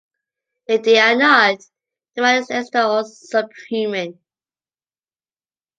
If they are not, the man is extra or sub-human.